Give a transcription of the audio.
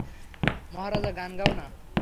মহারাজা, গান গাও না!